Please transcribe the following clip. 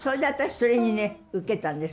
それにね受けたんです。